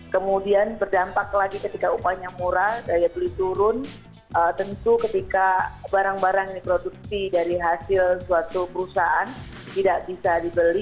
kemudian berdampak lagi ketika upahnya murah daya beli turun tentu ketika barang barang yang diproduksi dari hasil suatu perusahaan tidak bisa dibeli